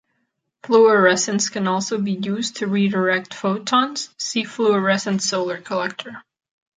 Fluorescence can also be used to redirect photons, see fluorescent solar collector.